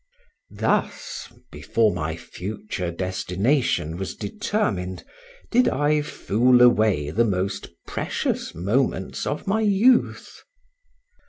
Thus, before my future destination was determined, did I fool away the most precious moments of my youth.